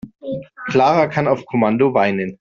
Clara kann auf Kommando weinen.